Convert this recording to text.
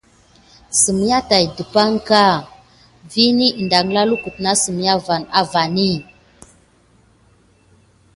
Semyà tàt ɗəpakɑŋ may də ninek dayki anka zuneki vi əlma vani.